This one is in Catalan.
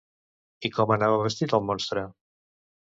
I com anava vestit el monstre?